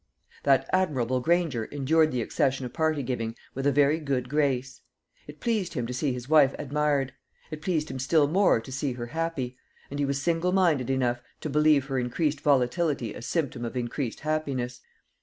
That admirable Granger endured the accession of party giving with a very good grace. It pleased him to see his wife admired; it pleased him still more to see her happy; and he was single minded enough to believe her increased volatility a symptom of increased happiness.